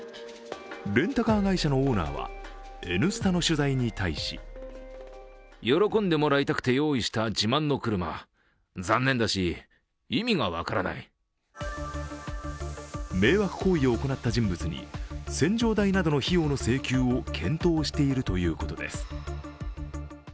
レンタカー会社のオーナーは「Ｎスタ」の取材に対し迷惑行為を行った人物に洗浄代などの費用の請求を検討しているということです。